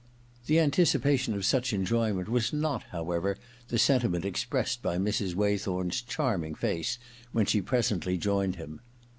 The anticipation of such enjoyment was not, however, the sentiment expressed by Mrs. Waythorn's charming face when she presently joined him.